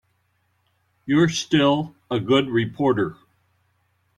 You're still a good reporter.